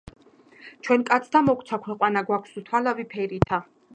ჩვენ, კაცთა, მოგვცა ქვეყანა, გვაქვს უთვალავი ფერითა.